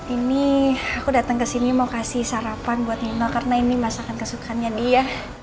ini aku datang kesini mau kasih sarapan buat nino karena ini masakan kesukaannya dia